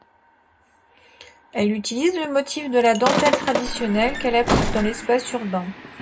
Elle utilise le motif de la dentelle traditionnelle, qu'elle applique dans l'espace urbain.